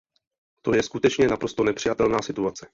To je skutečně naprosto nepřijatelná situace.